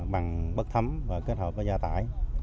bằng bất thấm và kết hợp với gia tải